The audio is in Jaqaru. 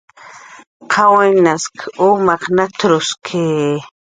"¿Qawinas umaq nat""ruski?"